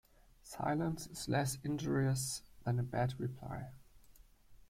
Silence is less injurious than a bad reply.